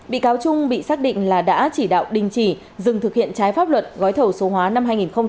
bị cáo trung bị xác định là đã chỉ đạo đình chỉ dừng thực hiện trái pháp luật gói thầu số hóa năm hai nghìn hai mươi